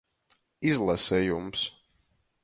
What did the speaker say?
Izlasejums.